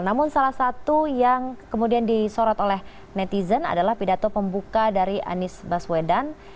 namun salah satu yang kemudian disorot oleh netizen adalah pidato pembuka dari anies baswedan